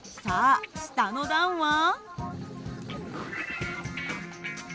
さあ下の段は？